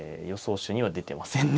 手には出てませんね。